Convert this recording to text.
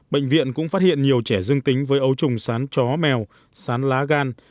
bệnh viện cũng phát hiện nhiều trẻ dương tính với ấu trùng sán chó mèo sán lá gan